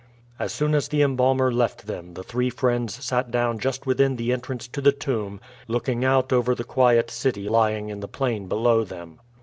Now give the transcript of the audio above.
As soon as the embalmer left them the three friends sat down just within the entrance to the tomb, looking out over the quiet city lying in the plain below them.